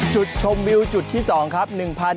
จุดชมวิวจุดที่๒ครับ